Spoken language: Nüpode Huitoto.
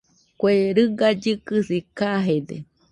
Kue riga llɨkɨsi kajede.